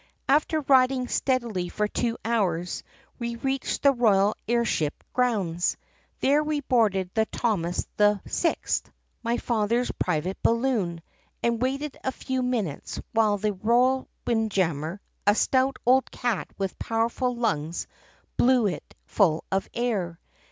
"After riding steadily for two hours, we reached the royal air ship grounds. There we boarded the Thomas VI , my father's private balloon, and waited a few minutes while the royal windjammer, a stout old cat with powerful lungs, blew it full of air.